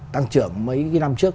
tăng trưởng mấy năm trước